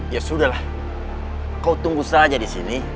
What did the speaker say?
ya sudah lah kau tunggu saja disini